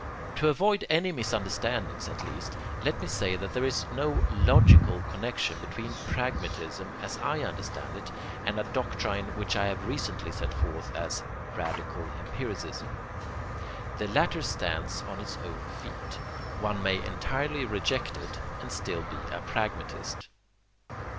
To avoid one misunderstanding at least, let me say that there is no logical connexion between pragmatism, as I understand it, and a doctrine which I have recently set forth as 'radical empiricism.' The latter stands on its own feet. One may entirely reject it and still be a pragmatist.